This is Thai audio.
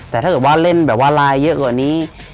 แต่ถ้าเกิดว่าเล่นแบบว่าไลน์เยอะกว่านี้